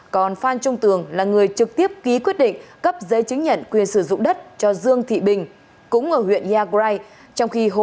còn phan trung tường là người trực tiếp ký quyết định cấp giấy chứng nhận quyền sử dụng đất cho dương thị bình cũng ở huyện yagrai